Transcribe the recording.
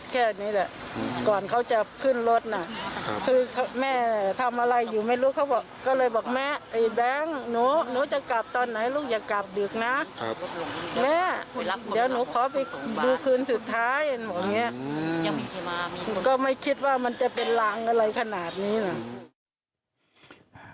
เห็นเหมือนเงี้ยก็ไม่คิดว่ามันจะเป็นรังอะไรขนาดนี้นะ